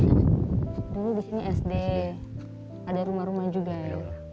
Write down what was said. dulu di sini sd ada rumah rumah juga ya